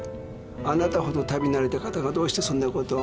あなたほど旅慣れた方がどうしてそんなことを？